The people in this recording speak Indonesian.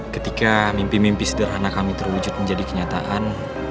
ketika mimpi mimpi sederhana kami terwujud menjadi kenyataan